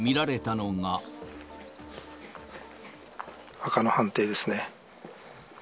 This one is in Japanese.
赤の判定ですね。